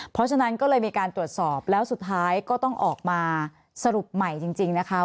เพราะฉะนั้นก็เลยมีการตรวจสอบแล้วสุดท้ายก็ต้องออกมาสรุปใหม่จริงนะคะ